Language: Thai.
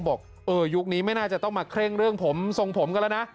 บอกเออยุคนี้ไม่น่าจะต้องมาเคร่งเรื่องผมทรงผมกันแล้วนะ